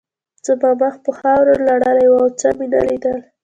زما مخ په خاورو لړلی و او څه مې نه لیدل